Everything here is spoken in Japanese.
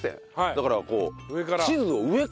だからこう。